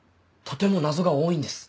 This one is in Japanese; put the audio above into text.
とても謎が多いんです。